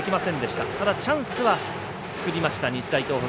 ただ、チャンスは作りました日大東北。